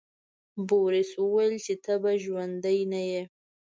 بوریس وویل چې ته به ژوندی نه یې.